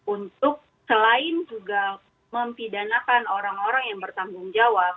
untuk selain juga mempidanakan orang orang yang bertanggung jawab